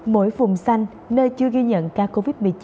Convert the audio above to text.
mỗi phùng xanh nơi chưa ghi nhận ca covid một mươi chín